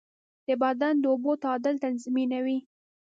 د بدن د اوبو تعادل تنظیموي.